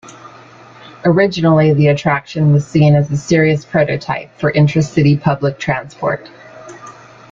Originally the attraction was seen as a serious prototype for intra-city public transport.